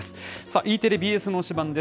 Ｅテレ、ＢＳの推しバン！です。